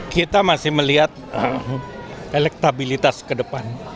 kita masih melihat elektabilitas ke depan